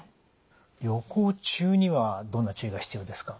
旅行中にはどんな注意が必要ですか？